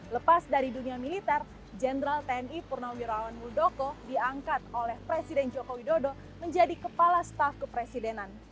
lepas dari dunia militer jenderal tni purnawirawan muldoko diangkat oleh presiden joko widodo menjadi kepala staf kepresidenan